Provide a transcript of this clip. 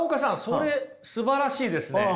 それすばらしいですね。